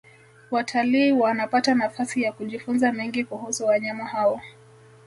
watalii wanapata nafasi ya kujifunza mengi kuhusu wanyama hao